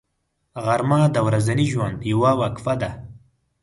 غرمه د ورځني ژوند یوه وقفه ده